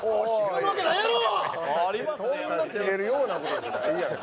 そんなキレるような事じゃないやん。